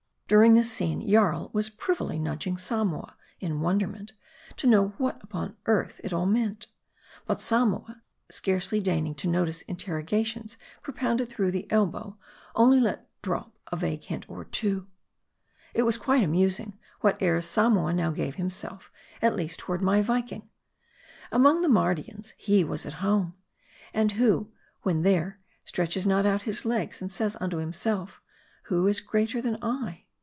During this scene, Jarl was privily nudging Samoa, in wonderment, to know what upon earth it all meant. But Samoa, scarcely deigning to notice interrogatories propounded through the elbow, only let drop a vague hint or two. It was quite amusing, what airs Samoa now gave himself, at least toward my Viking, Among the Mardians he was 204 M A R D I at home. And who, when there, stretches not out his legs, and says unto himself, "Who is greater than I